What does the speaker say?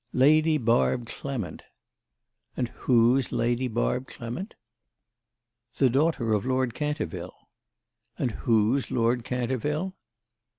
"Lady Barb Clement." "And who's Lady Barb Clement?" "The daughter of Lord Canterville." "And who's Lord Canterville?"